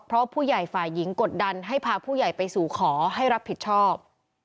เพราะผู้ใหญ่ฝ่ายหญิงกดดันให้พาผู้ใหญ่ไปสู่ขอให้รับผิดชอบ